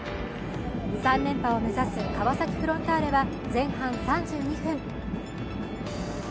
３連覇を目指す川崎フロンターレは前半３２分。